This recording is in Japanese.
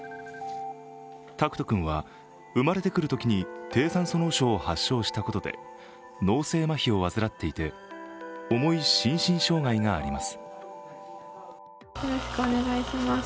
拓人君は生まれてくるときに低酸素脳症を発症したことで脳性麻痺を患っていて、重い心身障害があります。